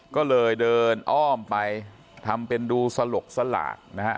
ก็เลยเดินอ้อมไปทำเป็นดูสลกสลากนะฮะ